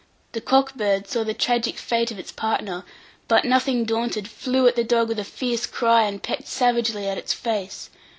The cock bird saw the tragic fate of its partner; but, nothing daunted, flew at the dog with a fierce cry, and pecked savagely at its face.